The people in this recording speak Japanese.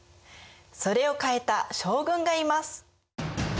それを変えた将軍がいます。